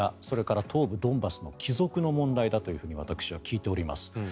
それから東部ドンバスの帰属の問題だと私は聞いております。